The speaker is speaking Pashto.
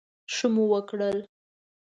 ښه مو وکړل.